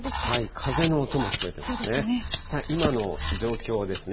風の音も聞こえてましたね。